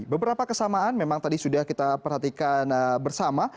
beberapa kesamaan memang tadi sudah kita perhatikan bersama